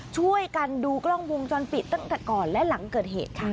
ช่วยกันดูกล้องวงจรปิดตั้งแต่ก่อนและหลังเกิดเหตุค่ะ